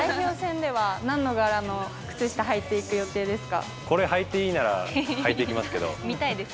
代表戦ではなんの柄の靴下履いていく予定ですか。